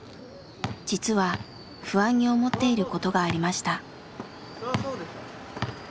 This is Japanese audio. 実は不安に思っていることがありました。